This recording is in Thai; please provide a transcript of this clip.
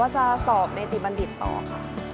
จะสอบเนติบัณฑิตต่อค่ะ